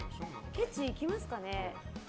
ケチいきますかね？